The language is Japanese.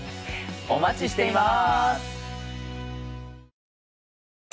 お待ちしています。